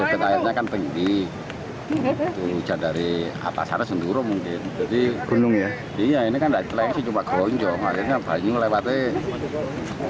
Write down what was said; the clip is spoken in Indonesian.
ini kan lainnya cuma geronjong akhirnya banyak lepatnya